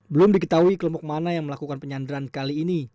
belum diketahui kelompok mana yang melakukan penyanderaan kali ini